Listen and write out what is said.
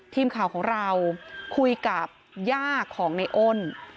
ทีมข่าวของเราคุยกับย่าของในอ้น